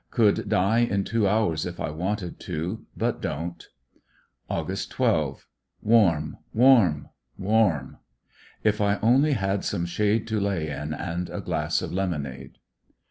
Could die in two hours if I wanted to, but don't. Aug. 12. — Warm. AYarm. Warm. If I only had some shade to lay in, and a glass of lemonade.